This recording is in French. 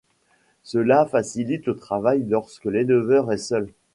Cela facilite le travail lorsque l'éleveur est seul.